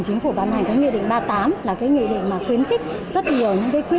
chính phủ bàn hành cái nghị định ba mươi tám là cái nghị định mà khuyến khích rất nhiều những cái quỹ